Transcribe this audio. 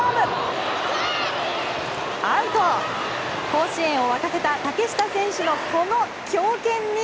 甲子園を沸かせた嶽下選手のこの強肩に。